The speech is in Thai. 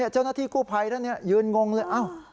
เจ้าหน้าที่กู้ภัยท่านนี้ยืนงงเลย